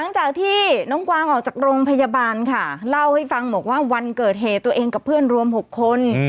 หลังจากที่น้องกวางออกจากโรงพยาบาลค่ะเล่าให้ฟังบอกว่าวันเกิดเหตุตัวเองกับเพื่อนรวม๖คน